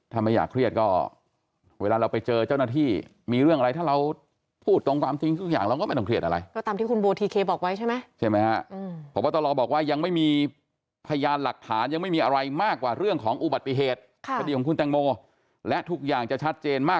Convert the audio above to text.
ถ้าไม่อยากเครียดก็เวลาเราไปเจอเจ้าหน้าที่มีเรื่องอะไรถ้าเราพูดตรงความจริงทุกอย่างเราก็ไม่ต้องเครียดอะไร